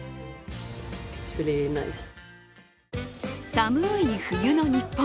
寒い冬の日本。